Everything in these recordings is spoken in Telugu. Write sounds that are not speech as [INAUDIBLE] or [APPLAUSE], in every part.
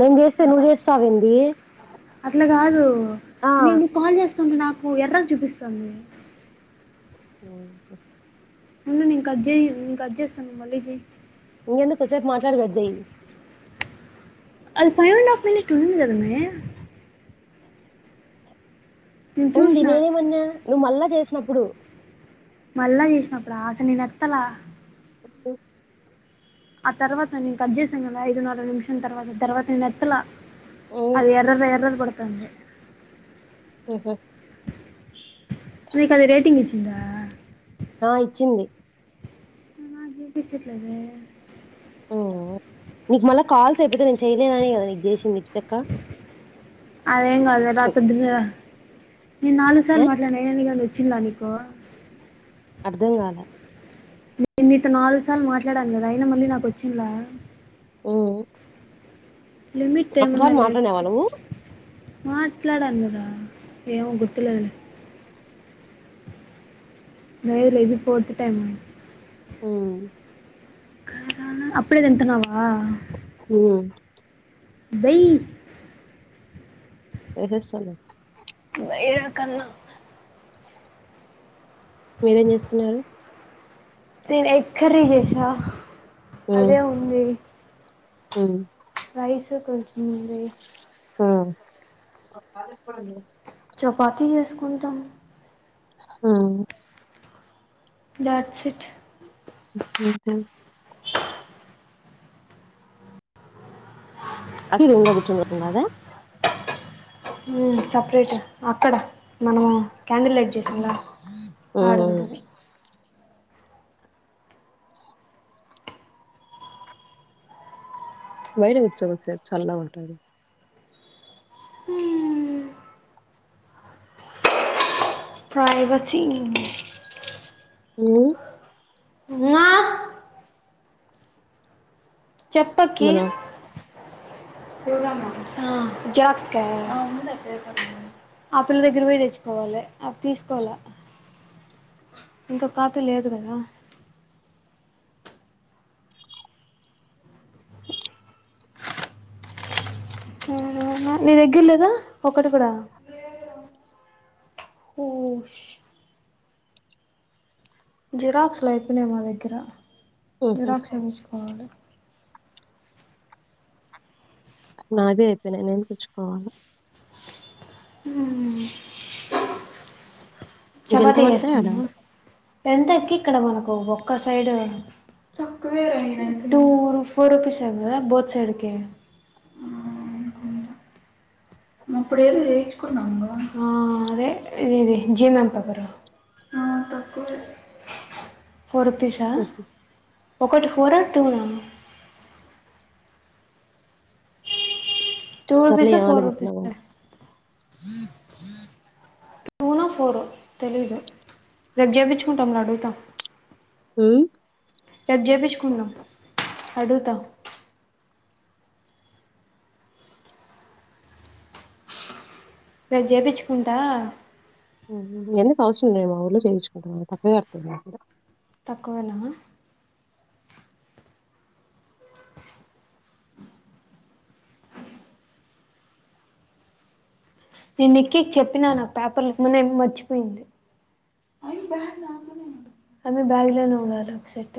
నేను చేస్తే నువ్వు చేస్తావెంది. అట్లా కాదు నువ్ కాల్ చేస్తూంటే నాకు ఎర్రర్ చూపిస్తుంది. [INAUDIBLE] ఉండు నేను కట్ చేయ్ నేను కట్ చేస్తాను. నువ్వు మళ్ళీ చేయ్. ఇంకెందుకు కొంచెం సేపు మాట్లాడక కట్ చేయ్. అది ఫైవ్ అండ్ హాఫ్ మినిట్ ఉంది కదమ్మే. ఉంది చూసినా. నేనేమన్నా? నువ్ మళ్ళా చేసినప్పుడు. మళ్ళా చేసినప్పుడా? ఆసలు నేనెత్తలా. ఓే [UNINTELLIGIBLE] ఆ తర్వాత నేను కట్ చేసాను కదా! ఐదున్నర నిమిషాల తర్వాత, తర్వాత నేను ఎత్తలా. అది ఎర్రర్ ఎర్రర్ కొడతాంది. హ్మ్. మీకిది అది రేటింగ్ ఇచ్చిందా? ఆ ఇచ్చింది. నాకు కనిపించట్లేదే. మ్ నీకు మళ్ళా కాల్స్ అయిపోతే నేను చేయలేననే కదా నీకు చేసింది చిటెక్కా. అదేం కాదు రాత్ ద నేను నాలుగు ఏ సార్లు మాట్లా ఏమన్నా వచ్చిందా నీకో. అర్ధం కాల నేను నీతో నాలుగు సార్లు మాట్లాడాను కదా అయినా మళ్ళీ నాకు వచ్చిందా? మ్ లిమిట్ ఏమన్నా లేవ్ నువ్వు మాట్లాడాను కదా ఏమోగుర్తులేదు. డయల్ అయింది ఫోర్త్ టైమ్. మ్. అప్పుడే తింటున్నావా?. హ్మ్. వెయ్యి. ఏహే సాల [UNINTELLIGIBLE] ఏడకన్నా. మీరేం చేస్తున్నారు. నేను ఎగ్ కర్రీ చేసా అదే ఉంది. మ్. ఐసుకొంచ్ మ్ చపాతీ చేసుకుంటాం. హ్మ్. ద. హు హూ. అదే రూములో కూచోబెట్టినాదా. మ్, సపరేట్ అక్కడ మనము క్యాడిల్ లైట్ చేసిండ్లా. మ్మ్ ఆడుంటార్. బయట కూర్చో వచ్చుగా చల్ల గా ఉంటాయి. హ్మ్! ప్రైవసి. హ్మ్. ఉమా చెప్పక్కి మన ఆ జిరాక్స్ కా ఆ పిల్ల దగ్గర పోయి తెచ్చుకోవాలి అవి తీసుకోవాల ఇంకో కాపీ లేదు కదా ఉహూ నీ దగ్గర లేదా ఒకటి కూడా హుష్ జిరాక్స్ లు అయిపోయినాయి మా దగ్గర హుహు. జిరాక్స్ చేపిచ్చుకోవాలి నావి అయిపోయినాయి నేను తెచ్చుకోవాల ఉమ్ నీకెంత చపాతి పడతాయి ఆడ? చేసుకుందామా ఎంతకి ఇక్కడ మనకు ఒక్క సైడ్ తక్కువేరా టూ ఫోర్ రూపీస్ ఏ కదా బోత్ సైడ్ క ఉమ్ అప్పుడు ఏదో చేయించుకున్నాము ఆ అదే ఇది జీఎమ్ఎమ్ పేపరు ఆ తక్కువే ఫోర్ రూపీసా హుహు. ఒకటి ఫోర్ ఆ టూనా టూ సర్లే రూపీసా ఏం ఫోర్ ఆలోచించినావు రూపీసా గాని. టూ నో ఫోరో తెలీదు రేపు చేపించుకుంటం లే అడుగుతా ఉమ్ రేపు చేపించుకుందాం అడుగుతా రేపు చేపించుకుంటా ఎందుకు అవసరం లేదు మా ఊర్లో చేయించుకుంటా తక్కువే పడుతది మాకు కూడా కోవల్లమా నేను నిక్కీకి చెప్పినా నాకు పేపర్లు ఇవ్వమని మర్చిపోయింది అ బా నానే ఆమె బ్యాగ్ లోనే ఉండాలి ఒక సెట్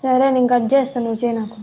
సరే నేను కట్ చేస్తా నువ్ చేయ్ నాకు